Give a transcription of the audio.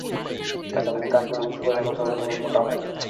আচ্ছা, তুমি কাঁধগুলো উঁচু করলে মাথাগুলো তেমন মোটা মনে হয় না।